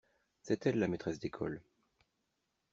C’est elle la maîtresse d’école.